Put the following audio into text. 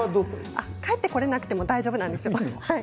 帰ってこれなくても大丈夫なんですよ。